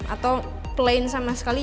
atau plain sama sekali